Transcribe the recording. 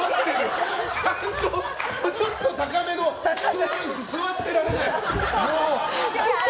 ちゃんと、ちょっと高めの座ってられない！